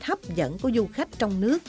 hấp dẫn của du khách trong nước